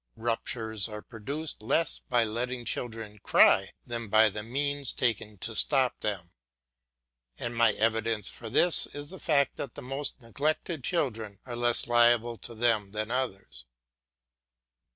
Ruptures are produced less by letting children cry than by the means taken to stop them, and my evidence for this is the fact that the most neglected children are less liable to them than others.